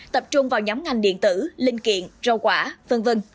tập trung vào nhóm ngành điện tử linh kiện rau quả v v